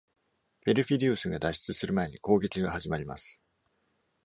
Perfidius が脱出する前に、攻撃が始まります。